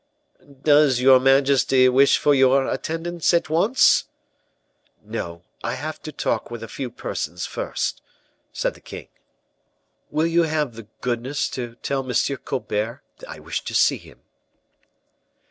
"Does your majesty wish for your attendants at once?" "No; I have to talk with a few persons first," said the king. "Will you have the goodness to tell M. Colbert I wish to see him."